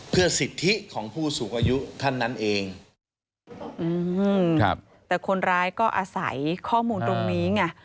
เพื่อสิทธิของผู้สูงอายุท่านนั้นเองอืมครับแต่คนร้ายก็อาศัยข้อมูลตรงนี้ไง